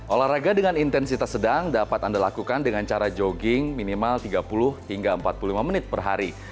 olahraga dengan intensitas sedang dapat anda lakukan dengan cara jogging minimal tiga puluh hingga empat puluh lima menit per hari